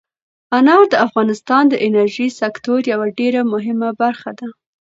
انار د افغانستان د انرژۍ سکتور یوه ډېره مهمه برخه ده.